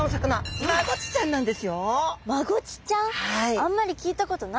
あんまり聞いたことないですね。